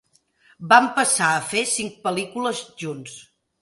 Van passar a fer cinc pel·lícules junts.